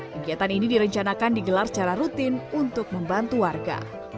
kegiatan ini direncanakan digelar secara rutin untuk membantu warga